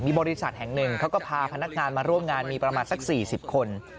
บริษัทแห่งหนึ่งเขาก็พาพนักงานมาร่วมงานมีประมาณสัก๔๐คน